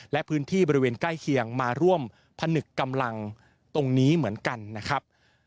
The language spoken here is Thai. และพื้นที่บริเวณใกล้เคียงมาร่วมผนึกกำลังตรงนี้เหมือนกันนะครับ